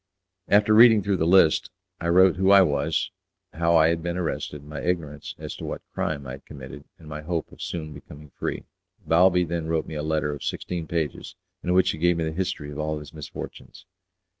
After reading through the list, I wrote who I was, how I had been arrested, my ignorance as to what crime I had committed, and my hope of soon becoming free. Balbi then wrote me a letter of sixteen pages, in which he gave me the history of all his misfortunes.